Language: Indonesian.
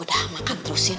udah makan terusin